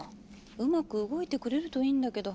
うまく動いてくれるといいんだけど。